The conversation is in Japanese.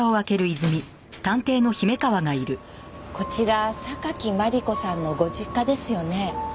こちら榊マリコさんのご実家ですよね？